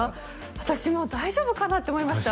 私大丈夫かなって思いました